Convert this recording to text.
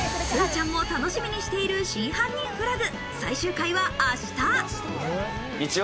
すいちゃんも楽しみにしてくれている『真犯人フラグ』最終回は明日。